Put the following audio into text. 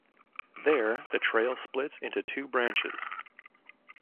There, the trail splits into two branches.